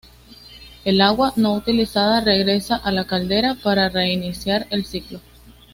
El agua no utilizada regresa a la caldera para reiniciar el ciclo.